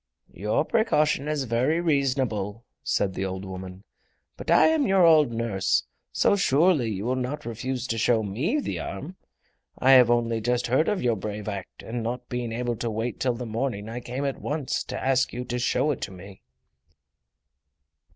"Your precaution is very reasonable," said the old woman. "But I am your old nurse, so surely you will not refuse to show ME the arm. I have only just heard of your brave act, and not being able to wait till the morning I came at once to ask you to show it to me."